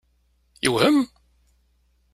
Yewhem?